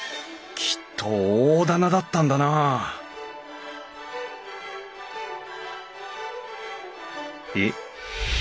きっと大店だったんだなあえっ